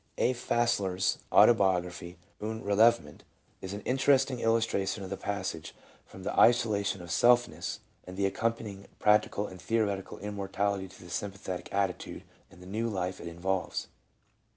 A. Fassler's autobiography, " Un Belevement," is an PSYCHOLOGY OF RELIGIOUS PHENOMENA. 345 interesting illustration of the passage from the isolation of " selfness " and the accompanying practical and theoretical immorality to the sympathetic attitude and the new life it in volves.